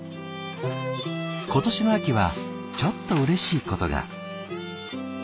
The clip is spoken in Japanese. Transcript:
今年の秋はちょっとうれしいことが。